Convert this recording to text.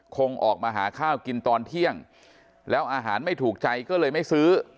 คงออกมาหาข้าวกินตอนเที่ยงแล้วอาหารไม่ถูกใจก็เลยไม่ซื้อ